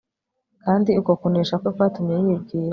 kandi uko kunesha kwe kwatumye yibwira